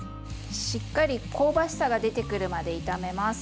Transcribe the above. しっかり香ばしさが出てくるまで炒めます。